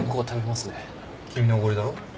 君のおごりだろ。